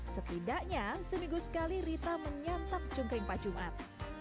setidaknya seminggu sekali rita menyantap cungkring pak jumat